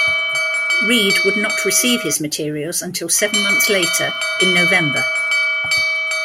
Reed would not receive his materials until seven months later in November.